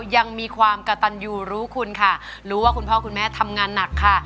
ยังมีความกระตันยูรู้คุณค่ะรู้ว่าคุณพ่อคุณแม่ทำงานหนักค่ะ